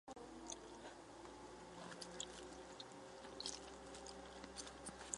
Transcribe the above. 由于静脉给药可致严重现已少用。